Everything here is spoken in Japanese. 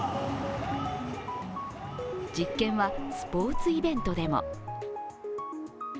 実験は、スポーツイベントでも。